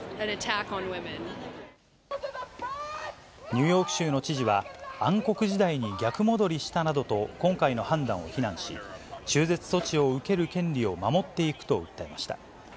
ニューヨーク州の知事は、暗黒時代に逆戻りしたなどと、今回の判断を非難し、中絶措置を受ける権利を守っていくと訴えました。